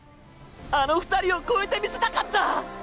あの２人を超えてみせたかった！